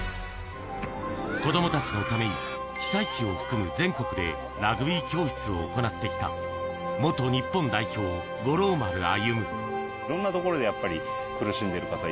子供たちのために被災地を含む全国でラグビー教室を行ってきた元日本代表・五郎丸歩。